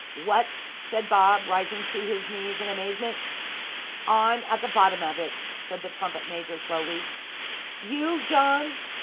'What!' said Bob, rising to his knees in amazement. 'I'm at the bottom of it,' said the trumpet major slowly. 'You, John?'